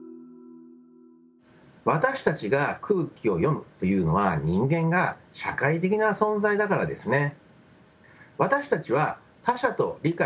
私たちが「空気を読む」というのは人間が社会的な存在だからですね。